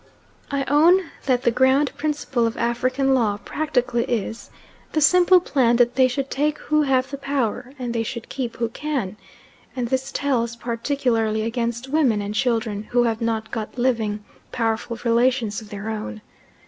I own that the ground principle of African law practically is "the simple plan that they should take who have the power, and they should keep who can," and this tells particularly against women and children who have not got living, powerful relations of their own.